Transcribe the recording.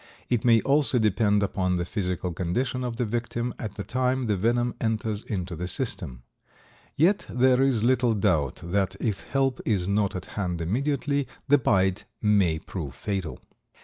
It may also depend upon the physical condition of the victim at the time the venom enters into the system. Yet there is little doubt that, if help is not at hand immediately, the bite may prove fatal.